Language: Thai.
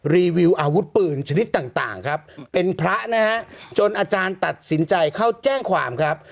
รีวิวอาวุธปืนชนิดต่างครับเป็นพระนะฮะจนอาจารย์ตัดสินใจเข้าแจ้งความครับ